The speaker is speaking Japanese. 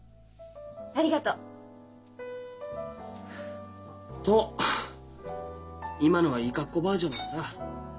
ありがとう！と今のはいい格好バージョンなんだ。